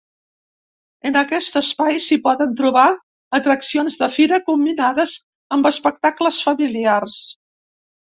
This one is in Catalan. En aquest espai s’hi poden trobar atraccions de fira combinades amb espectacles familiars.